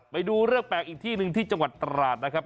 ไปดูเรื่องแปลกอีกที่หนึ่งที่จังหวัดตราดนะครับ